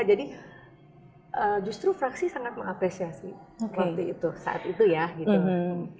jadi justru fraksi sangat mengapresiasi waktu itu saat itu ya gitu